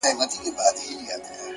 هره هڅه د راتلونکي بڼه جوړوي،